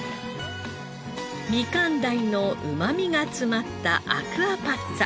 みかん鯛のうまみが詰まったアクアパッツァ。